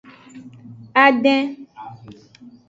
Adin.